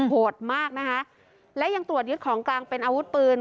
โหดมากนะคะและยังตรวจยึดของกลางเป็นอาวุธปืน